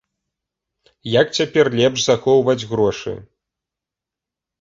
Як цяпер лепш захоўваць грошы?